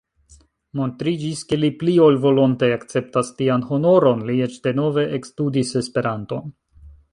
Montriĝis ke li pli ol volonte akceptas tian honoron: li eĉ denove ekstudis Esperanton.